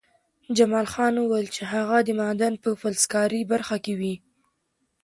جمال خان وویل چې هغه د معدن په فلزکاري برخه کې وي